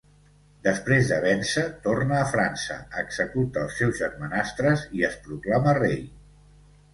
Després de vèncer, torna a França, executa els seus germanastres i es proclama rei.